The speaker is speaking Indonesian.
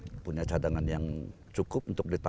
dan memang punya cadangan yang cukup untuk diberikan